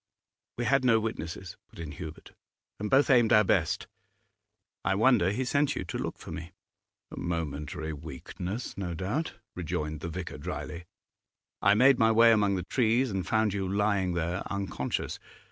'We had no witnesses,' put in Hubert; 'and both aimed our best. I wonder he sent you to look for me.' 'A momentary weakness, no doubt,' rejoined the vicar drily. I made my way among the trees and found you lying there, unconscious.